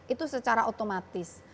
itu secara otomatis